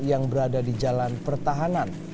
yang berada di jalan pertahanan